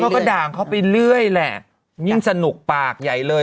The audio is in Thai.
ว่าด่างเขาไปเรื่อยแหละยิ่งสนุกปากใหญ่เลย